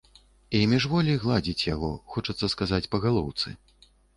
І міжволі гладзіць яго, хочацца сказаць, па галоўцы.